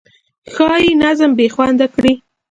ښایي نظم بې خونده کړي.